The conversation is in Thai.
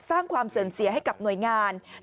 สร้างความเสื่อมเสียให้กับหน่วยงาน